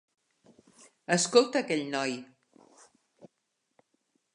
Escolta aquell noi!